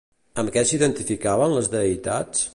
Amb què s'identificaven les deïtats?